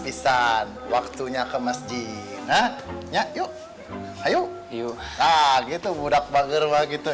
isan waktunya ke masjidnya yuk ayuh yuk ah gitu budak banyak begitu